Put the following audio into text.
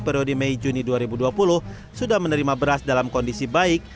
periode mei juni dua ribu dua puluh sudah menerima beras dalam kondisi baik